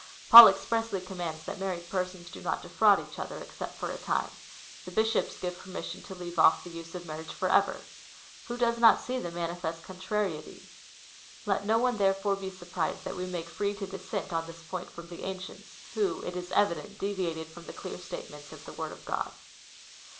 Paul expressly commands, that married persons do not defraud each other, except for a time. The bishops give permission to leave off the use of marriage for ever. Who does not see the manifest contrariety ? Let no one, therefore, be surprised, that we make free to dissent on this point from the ancients, who, it is evident, deviated from the clear statements of the word of God.